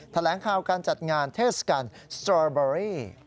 แถลงข่าการจัดงานเทศกันสตรอบรี